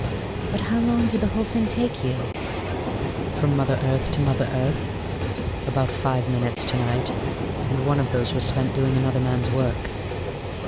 "But how long did the whole thing take you?" "From mother earth, to mother earth? About five minutes, to night, and one of those was spent in doing another man's work."